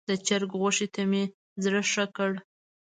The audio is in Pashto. د چرګ غوښې ته مې زړه ښه کړ.